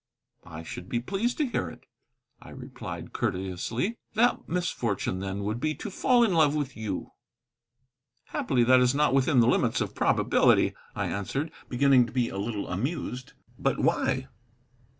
"I should be pleased to hear it," I replied courteously. "That misfortune, then, would be to fall in love with you." "Happily that is not within the limits of probability," I answered, beginning to be a little amused. "But why?"